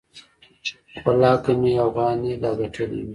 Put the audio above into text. ولله که مې اوغانۍ لا گټلې وي.